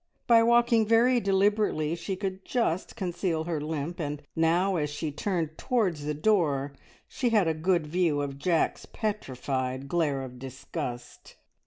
By walking very deliberately she could just conceal her limp, and now as she turned towards the door she had a good view of Jack's petrified glare of disgust.